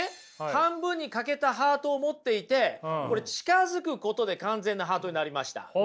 半分に欠けたハートを持っていて近づくことで完全なハートになりました。